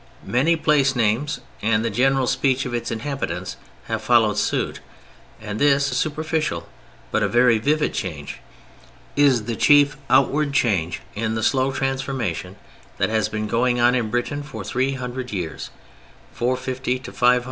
Many place names, and the general speech of its inhabitants have followed suit, and this, a superficial but a very vivid change, is the chief outward change in the slow transformation that has been going on in Britain for three hundred years (450 500 to 750 800).